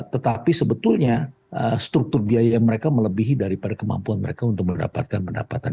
tetapi sebetulnya struktur biaya mereka melebihi daripada kemampuan mereka untuk mendapatkan pendapatan